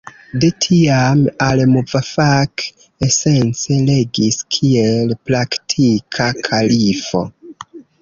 De tiam, al-Muvafak esence regis kiel praktika kalifo.